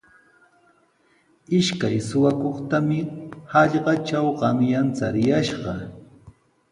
Ishkay suqakuqtami hallaqatraw qanyan chariyashqa.